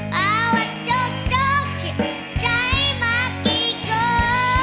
ปะวัดโชคโชคชิดใจมากกี่คน